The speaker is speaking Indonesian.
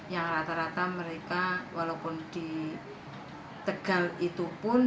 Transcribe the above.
yang rata rata mereka walaupun di tegal itu pun